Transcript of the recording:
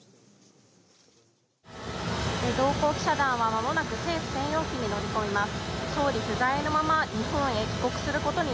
同行記者団は、まもなく政府専用機に乗り込みます。